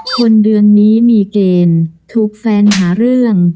คนเดือนนี้มีเกณฑ์ถูกแฟนหาเรื่อง